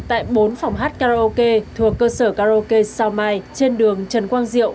tại bốn phòng hát karaoke thuộc cơ sở karaoke sao mai trên đường trần quang diệu